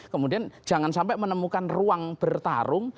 kemudian jangan sampai menemukan ruang bertarung